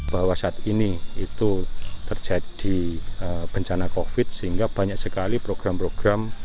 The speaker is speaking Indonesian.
bahwa saat ini itu terjadi bencana covid sehingga banyak sekali program program